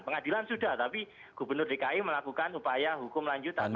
pengadilan sudah tapi gubernur dki melakukan upaya hukum lanjutan